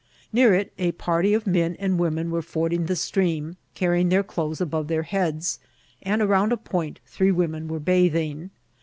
Near it a party of men and women were fording the stream, carrying their (dothes above their heads ; and around a point three women were bathing.